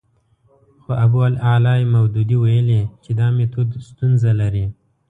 خو ابوالاعلی مودودي ویلي چې دا میتود ستونزه لري.